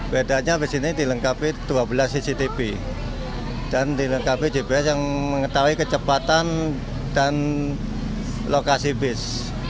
bedanya bus ini dilengkapi dua belas cctv dan dilengkapi jbs yang mengetahui kecepatan dan lokasi bus